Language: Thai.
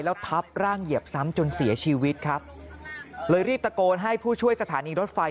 แล้วทับร่างเหยียบซ้ำจนเสียชีวิตครับเลยรีบตะโกนให้ผู้ช่วยสถานีรถไฟ